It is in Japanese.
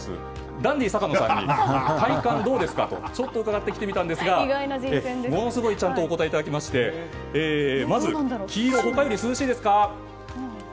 ダンディ坂野さんに体感どうですか？とちょっと伺ってきたんですがものすごいちゃんとお答えいただきましてまず黄色は涼しいですか？